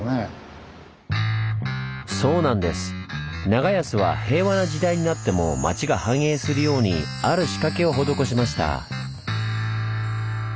長安は平和な時代になっても町が繁栄するようにある仕掛けを施しました。